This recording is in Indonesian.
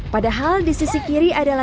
padahal di sisi kiri adalah juru parkir